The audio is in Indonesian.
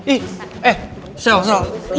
ih eh salah salah